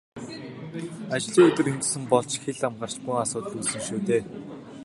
Ажлын өдөр ингэсэн бол ч хэл ам гарч бөөн асуудал үүснэ шүү дээ.